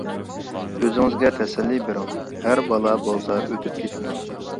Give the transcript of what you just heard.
-ئۆزىڭىزگە تەسەللى بېرىڭ، ھەر بالا بولسا ئۆتۈپ كېتىدۇ.